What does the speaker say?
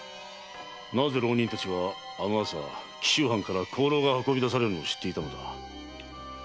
なぜ浪人たちはあの朝紀州藩から香炉が運び出されるのを知っていたのだ？